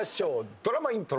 ドラマイントロ。